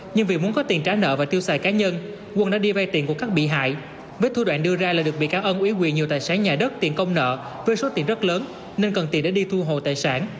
nhưng vì muốn có tiền trả nợ và tiêu xài cá nhân quân đã đi vay tiền của các bị hại với thu đoạn đưa ra là được bị cáo ân ủy quyền nhiều tài sản nhà đất tiền công nợ với số tiền rất lớn nên cần tiền để đi thu hồi tài sản